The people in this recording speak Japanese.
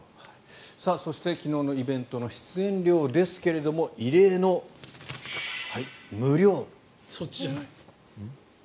そして、昨日のイベントの出演料ですけどもそっちじゃない。